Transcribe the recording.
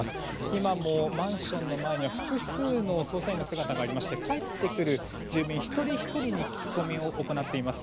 今もマンションの前には複数の捜査員の姿がありまして帰ってくる住民一人ひとりに聞き込みを行っています。